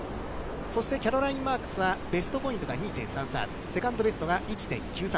そしてキャロライン・マークスはベストポイントが２．３３、セカンドベストが１．９３。